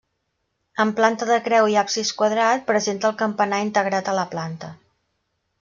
Amb planta de creu i absis quadrat, presenta el campanar integrat a la planta.